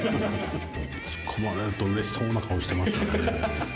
突っ込まれるとうれしそうな顔してましたね。